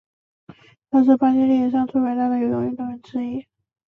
他是巴西历史上最伟大游泳运动员之一。